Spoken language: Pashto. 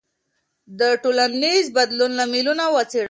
د ټولنیز بدلون لاملونه وڅېړئ.